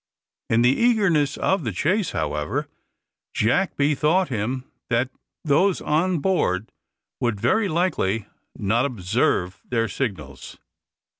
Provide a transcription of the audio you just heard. In the eagerness of the chase, however, Jack bethought him that those on board would very likely not observe their signals.